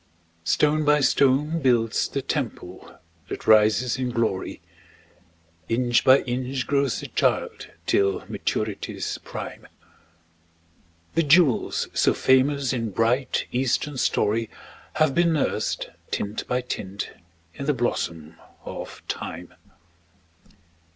Stone by stone builds the temple that rises in glory, Inch by inch grows the child till maturity's prime; The jewels so famous in bright, Eastern story Have been nursed, tint by tint, in the blossom of Time.